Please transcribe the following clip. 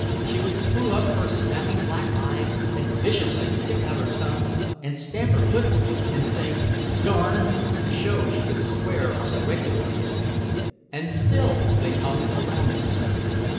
She would screw up her snapping black eyes and viciously stick out her tongue and stamp her foot and say "darn!" to show she could swear like a regular kid. And still they hung around us.